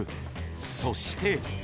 そして。